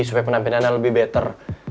supaya penampilan anak lebih better